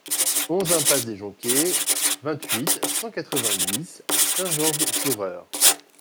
onze impasse des Joncquets, vingt-huit, cent quatre-vingt-dix à Saint-Georges-sur-Eure